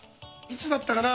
いつだったかな